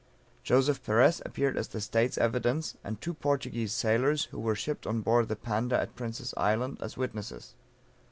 Joseph Perez appeared as State's evidence, and two Portuguese sailors who were shipped on board the Panda at Prince's Island, as witnesses.